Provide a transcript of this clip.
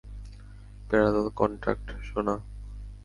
Parallel contact, সোনা?